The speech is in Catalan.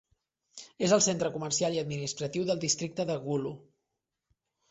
És el centre comercial i administratiu del districte de Gulu.